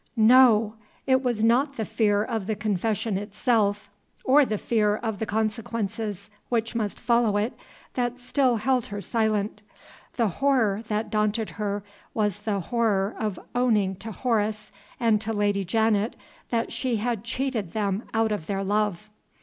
No! it was not the fear of the confession itself, or the fear of the consequences which must follow it, that still held her silent. The horror that daunted her was the horror of owning to Horace and to Lady Janet that she had cheated them out of their love.